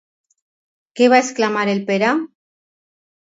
Què va exclamar el Pere?